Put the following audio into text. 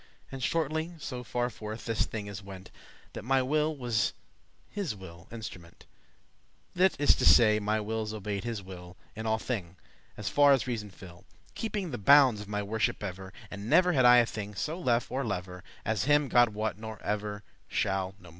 And shortly, so farforth this thing is went,* *gone That my will was his wille's instrument; That is to say, my will obey'd his will In alle thing, as far as reason fill,* *fell; allowed Keeping the boundes of my worship ever; And never had I thing *so lefe, or lever,* *so dear, or dearer* As him, God wot, nor never shall no mo'.